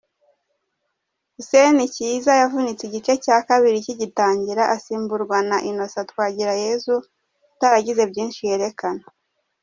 Hussein Kiiza yavunitse igice cya kabiri kigitangira asimburwa na Innocent Twagirayezu utaragize byinshi yerekana.